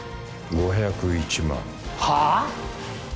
５０１万はあ？